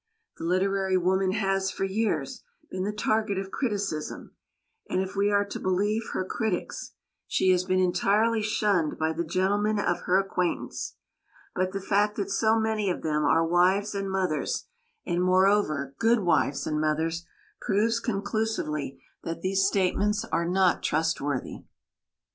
The literary woman has, for years, been the target of criticism, and if we are to believe her critics, she has been entirely shunned by the gentlemen of her acquaintance; but the fact that so many of them are wives and mothers, and, moreover, good wives and mothers, proves conclusively that these statements are not trustworthy.